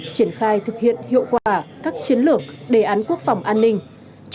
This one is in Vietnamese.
triển khai thực hiện hiệu quả các chiến lược đề án quốc phòng an ninh